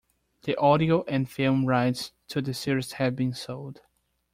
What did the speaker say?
The audio and film rights to the series have been sold.